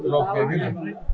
satu tahun nanti